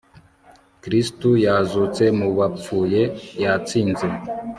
kristu yazutse mu bapfuye, yatsinze